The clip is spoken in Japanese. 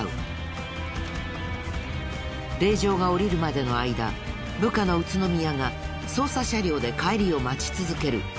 令状が下りるまでの間部下の宇都宮が捜査車両で帰りを待ち続ける。